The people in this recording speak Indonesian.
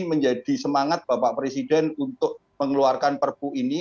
menjadi semangat bapak presiden untuk mengeluarkan perpu ini